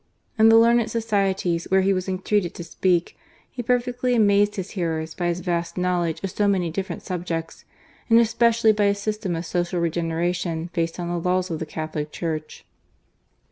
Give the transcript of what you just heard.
In the learned societies where he was entreated to speak, he per fectly amazed his hearers by his vast knowledge of so many different subjects; and especially by his system of social regeneration based on the laws of the Catholic Church.